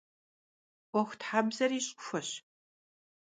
'Uexuthebzeri ş'ıxueş.